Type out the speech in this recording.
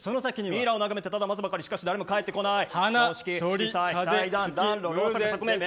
ミイラを眺めてたら待つばかりしかし誰も帰ってこない。